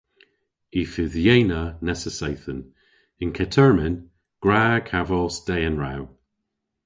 "Y fydh yeynna nessa seythen. Yn kettermyn, gwra kavos dehen rew!"